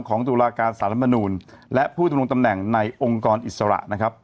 ของตัวลาการสถานบนูลและผู้ตัดลงตำแหน่งในองค์กรอิสระ